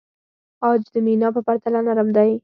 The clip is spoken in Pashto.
عاج د مینا په پرتله نرم دی.